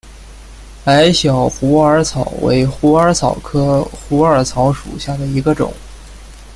矮小虎耳草为虎耳草科虎耳草属下的一个种。